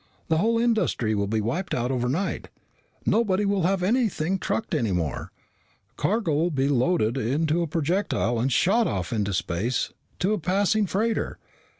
"The whole industry will be wiped out overnight. Nobody will have anything trucked any more. Cargo'll be loaded into a projectile and shot off into space to a passing freighter.